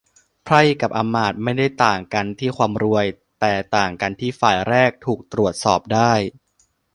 ไพร่กับอำมาตย์ไม่ได้ต่างกันที่ความรวย แต่ต่างกันที่ฝ่ายแรกถูกตรวจสอบได้